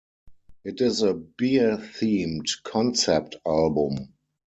It is a "beer-themed" concept album.